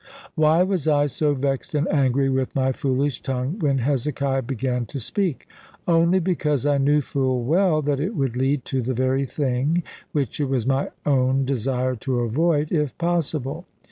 Why was I so vexed and angry with my foolish tongue when Hezekiah began to speak? Only because I knew full well that it would lead to the very thing, which it was my one desire to avoid, if possible.